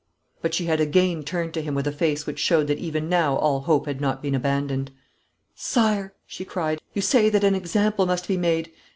But she had again turned to him with a face which showed that even now all hope had not been abandoned. 'Sire,' she cried. 'You say that an example must be made.